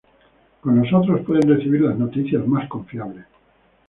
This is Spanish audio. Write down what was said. Con nosotros pueden recibir las noticias más confiables.